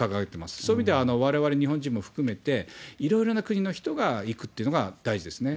そういう意味では、われわれ日本人も含めて、いろいろな国の人が行くっていうのが大事ですね。